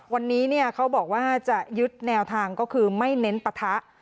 วันนี้เขาบอกว่าจะยึดแนวทางก็คือไม่เน้นปะทะ